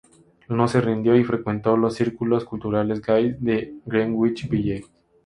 No se rindió y frecuentó los círculos culturales gays de Greenwich Village.